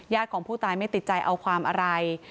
ของผู้ตายไม่ติดใจเอาความอะไร